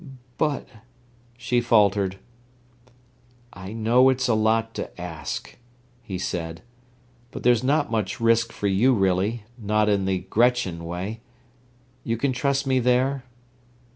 "But—" she faltered. "I know it's a lot to ask," he said; "but there's not much risk for you really—not in the Gretchen way. You can trust me there?"